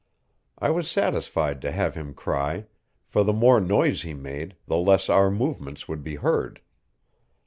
I was satisfied to have him cry, for the more noise he made the less our movements would be heard.